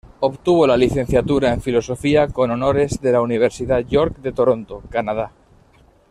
Obtuvo la licenciatura en filosofía con honores de la Universidad York de Toronto, Canadá.